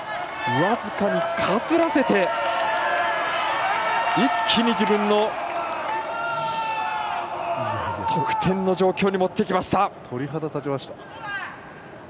僅かにかすらせて一気に自分の得点の状況に鳥肌立ちました。